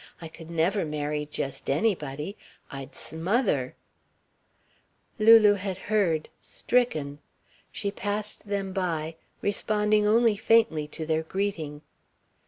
I could never marry just anybody. I'd smother." Lulu had heard, stricken. She passed them by, responding only faintly to their greeting.